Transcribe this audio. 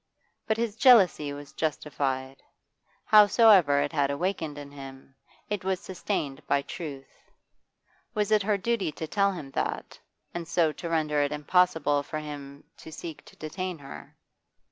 But his jealousy was justified; howsoever it had awakened in him, it was sustained by truth. Was it her duty to tell him that, and so to render it impossible for him to seek to detain her?